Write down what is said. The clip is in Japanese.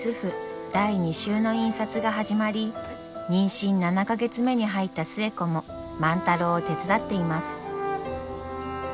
第２集の印刷が始まり妊娠７か月目に入った寿恵子も万太郎を手伝っています。